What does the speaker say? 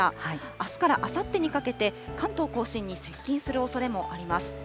あすからあさってにかけて、関東甲信に接近するおそれもあります。